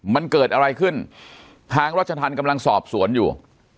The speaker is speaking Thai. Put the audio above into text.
มันเกิดอะไรขึ้นทางรัชธรรมกำลังสอบสวนอยู่